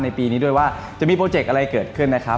ปีนี้ด้วยว่าจะมีโปรเจกต์อะไรเกิดขึ้นนะครับ